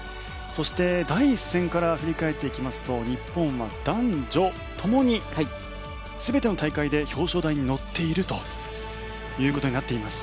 そして、第１戦から振り返っていきますと日本は男女ともに全ての大会で表彰台に乗っているということになっています。